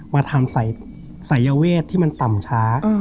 มาทำสายเวทที่มันต่ำช้า